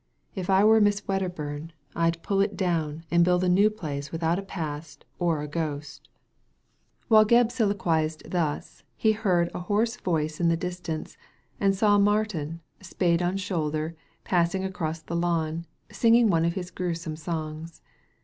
If I were Miss Wedderbum I'd pull it 003 Digitized by Google 204 THE LADY FROM NOWHERE down and build a new place without a past or a ghost" While Gebb soliloquized thus, he heard a hoarse voice in the distance, and saw Martin, spade on shoulder, passing across the lawn singing one of his gruesome songs.